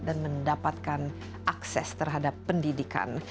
dan mendapatkan akses terhadap pendidikan